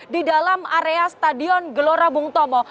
di dalam area stadion gelora bung tomo